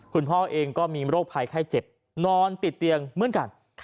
คุณพ่อเองก็มีโรคภัยไข้เจ็บนอนติดเตียงเหมือนกัน